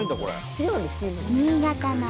違うんです。